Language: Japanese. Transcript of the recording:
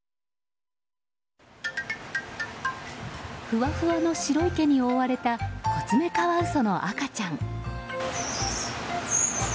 ふわふわの白い毛に覆われたコツメカワウソの赤ちゃん。